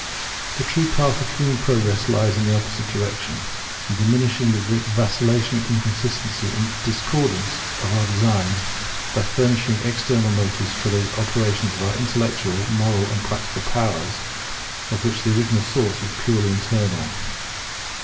The true path of human progress lies in the opposite direction; in diminishing the vacillation, inconsistency, and discordance of our designs by furnishing external motives for those operations of our intellectual, moral and practical powers, of which the original source was purely internal.